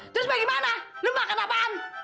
terus bagaimana lu makan apaan